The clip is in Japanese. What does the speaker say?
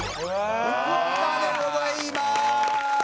福岡でございます！